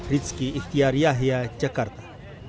rizky ihtiyar yahya jakarta